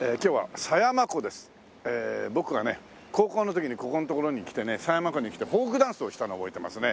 時にここの所に来てね狭山湖に来てフォークダンスをしたのを覚えてますね。